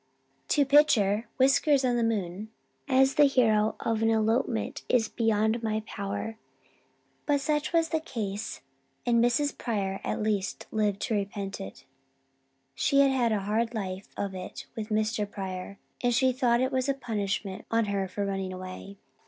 To picture Whiskers on the moon as the hero of an elopement is beyond my power. But such was the case and Mrs. Pryor at least lived to repent it. She had a hard life of it with Mr. Pryor, and she thought it was a punishment on her for running away.